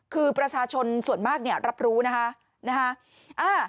คือประชาชนส่วนมากรับรู้นะคะ